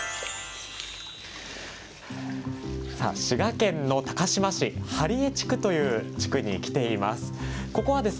さあ、滋賀県の高島市針江地区という地区に来ています。